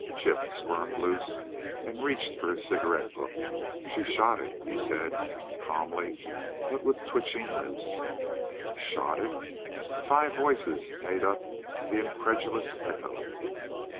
Chip squirmed loose and reached for his cigarette book. "She shot it," he said, calmly, but with twitching lips. "Shot it!" Five voices made up the incredulous echo.